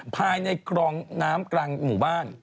ภายในกรองน้ำกลางหมู่บ้าน